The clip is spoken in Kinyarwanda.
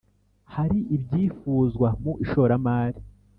Hari ibyifuzwa mu ishoramari